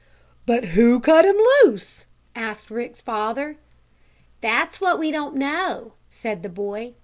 "But who cut him loose?" asked Rick's father. "That's what we don't know," said the boy.